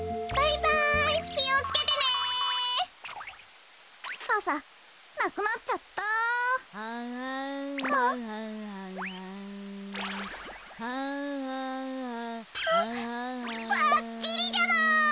ばっちりじゃない！